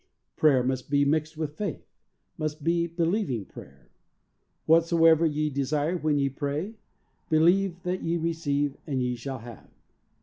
Prayer must be mixed with faith — must be believing prayer. "Whatsoever ye de sire when ye pray, believe that ye receive and ye shall have."